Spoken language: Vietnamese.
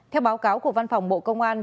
theo báo cáo của văn phòng bộ công an